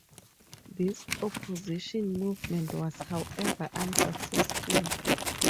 This opposition movement was, however, unsuccessful.